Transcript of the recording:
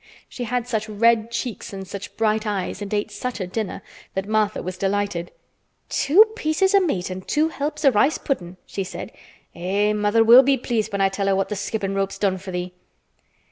She had such red cheeks and such bright eyes and ate such a dinner that Martha was delighted. "Two pieces o' meat an' two helps o' rice puddin'!" she said. "Eh! mother will be pleased when I tell her what th' skippin' rope's done for thee."